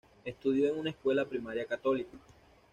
Estudió en una escuela primaria católica.